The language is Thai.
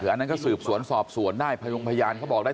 อันนั้นก็สืบสวนสอบสวนได้พยงพยานเขาบอกได้